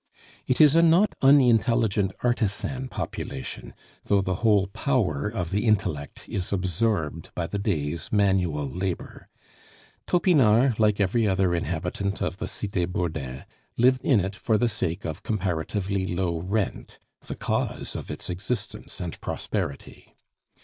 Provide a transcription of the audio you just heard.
It is a not unintelligent artisan population, though the whole power of the intellect is absorbed by the day's manual labor. Topinard, like every other inhabitant of the Cite Bourdin, lived in it for the sake of comparatively low rent, the cause of its existence and prosperity.